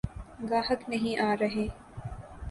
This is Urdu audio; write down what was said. گاہک نہیں آرہے۔